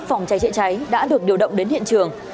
phòng cháy chữa cháy đã được điều động đến hiện trường